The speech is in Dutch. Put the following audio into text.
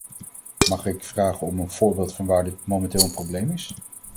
Mag ik vragen om een voorbeeld van waar dit momenteel een probleem is.